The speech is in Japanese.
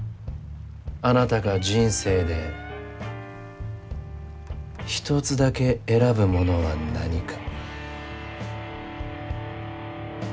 あなたが人生で一つだけ選ぶものは何か？